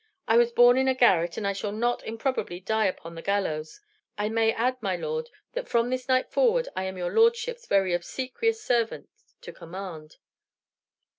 I was born in a garret, and I shall not improbably die upon the gallows. I may add, my lord, that from this night forward I am your lordship's very obsequious servant to command."